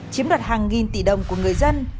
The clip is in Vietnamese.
chiếm đặt hàng nghìn tỷ đồng của người dân